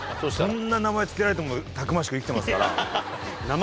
こんな名前付けられてもたくましく生きてますから。